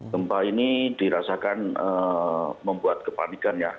gempa ini dirasakan membuat kepanikan ya